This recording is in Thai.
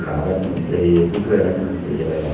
ถ้าคุณจะเป็นใครคู่อื่นครับ